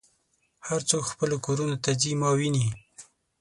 هر څوک خپلو کورونو ته ځي ما وینې.